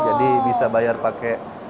jadi bisa bayar pakai